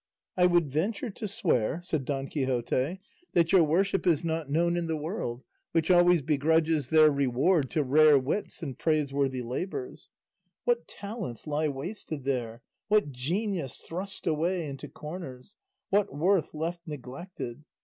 "I would venture to swear," said Don Quixote, "that your worship is not known in the world, which always begrudges their reward to rare wits and praiseworthy labours. What talents lie wasted there! What genius thrust away into corners! What worth left neglected!